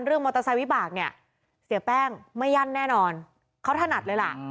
มอเตอร์ไซค์วิบากเนี่ยเสียแป้งไม่ยั่นแน่นอนเขาถนัดเลยล่ะ